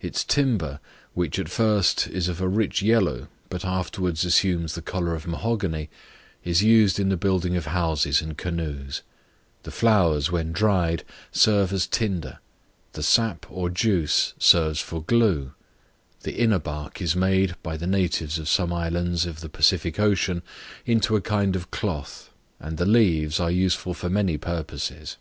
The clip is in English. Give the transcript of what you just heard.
Its timber, which at first is of a rich yellow, but afterwards assumes the color of mahogany, is used in the building of houses and canoes; the flowers, when dried, serve as tinder; the sap or juice serves for glue; the inner bark is made, by the natives of some of the islands of the Pacific Ocean, into a kind of cloth; and the leaves are useful for many purposes.